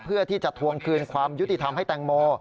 เพื่อที่จะทวงคืนความยุติธรรมให้แตงโม